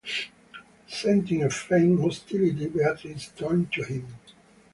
Scenting a faint hostility, Beatrice turned to him.